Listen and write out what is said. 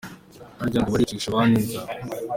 Harya ngo baricisha abandi inzara ?